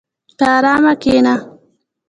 په ارام کښېنه.